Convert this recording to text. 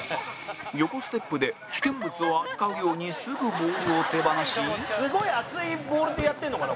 横ステップで危険物を扱うようにすぐボールを手放し山崎：すごい熱いボールでやってんのかな？